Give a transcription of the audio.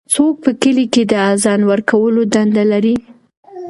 څوک په کلي کې د اذان ورکولو دنده لري؟